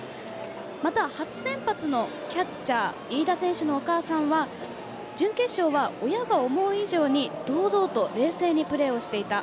また初先発のキャッチャー飯田選手のお母さんは準決勝は親が思う以上に堂々と冷静にプレーをしていた。